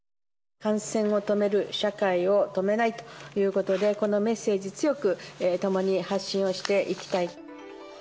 感染を止める社会を止めないということで、このメッセージ強く共に発信をしていきたい。